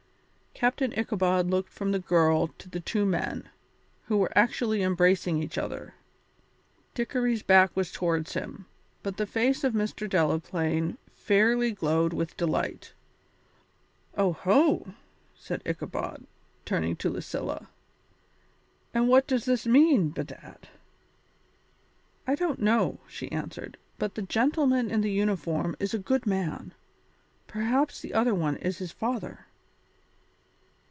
Captain Ichabod looked from the girl to the two men, who were actually embracing each other. Dickory's back was towards him, but the face of Mr. Delaplaine fairly glowed with delight. "Oho!" said Ichabod, turning to Lucilla, "and what does this mean, bedad?" "I don't know," she answered, "but the gentleman in the uniform is a good man. Perhaps the other one is his father."